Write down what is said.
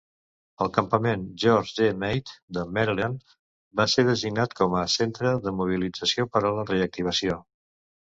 El Campament George G. Meade de Maryland va ser designat com a centre de mobilització per a la reactivació.